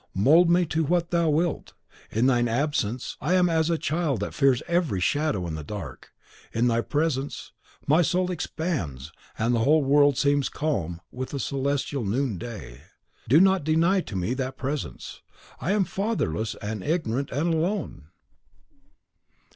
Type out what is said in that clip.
Mould me to what thou wilt. In thine absence, I am as a child that fears every shadow in the dark; in thy presence, my soul expands, and the whole world seems calm with a celestial noonday. Do not deny to me that presence. I am fatherless and ignorant and alone!"